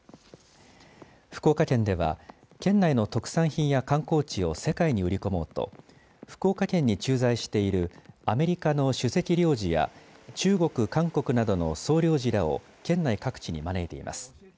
福岡県では県内の特産品や観光地を世界に売り込もうと福岡県に駐在しているアメリカの首席領事や中国、韓国などの総領事らを県内各地に招いています。